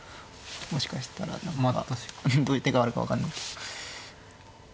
もしかしたら何かどういう手があるか分かんない。